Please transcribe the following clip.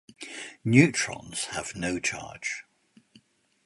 Neutrons have no charge.